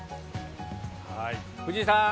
藤井さん。